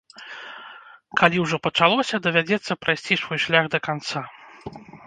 Калі ўжо пачалося, давядзецца прайсці свой шлях да канца.